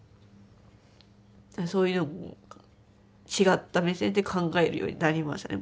そういうのも違った目線で考えるようになりましたね。